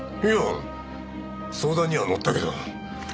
いや相談には乗ったけど。